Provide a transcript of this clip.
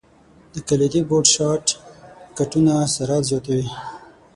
د کلیدي بورډ شارټ کټونه سرعت زیاتوي.